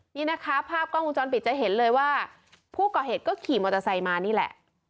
นี่นะคะภาพกล้องวงจรปิดจะเห็นเลยว่าผู้ก่อเหตุก็ขี่มอเตอร์ไซค์มานี่แหละ